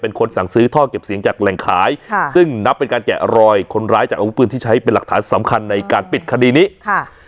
เป็นคนสั่งซื้อท่อเก็บเสียงจากแหล่งขายค่ะซึ่งนับเป็นการแกะรอยคนร้ายจากอาวุธปืนที่ใช้เป็นหลักฐานสำคัญในการปิดคดีนี้ค่ะ